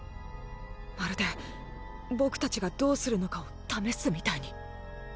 まるで僕たちがどうするのかを試すみたいに。